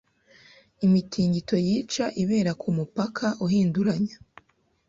Imitingito yica ibera kumupaka uhinduranya